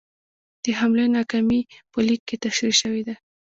د حملې ناکامي په لیک کې تشرېح شوې ده.